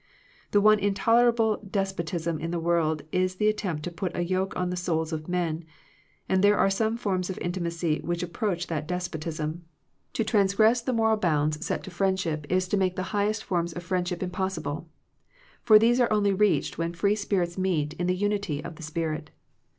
The one intolerable despot ism in the world is the attempt to put a yoke on the souls of men, and there are some forms of intimacy which approach that despotism. To transgress the moral 201 Digitized by VjOOQIC THE LIMITS OF FRIENDSHIP bounds set to friendship is to make the highest forms of friendship impossible; for these are only reached when free spirits meet in the unity of the spirit.